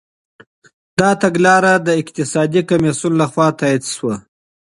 دا تګلاره د اقتصادي کميسيون لخوا تاييد سوه.